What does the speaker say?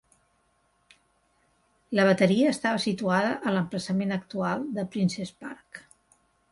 La bateria estava situada a l'emplaçament actual de Princes Park.